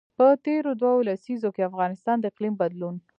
په تېرو دوو لسیزو کې افغانستان د اقلیم بدلون.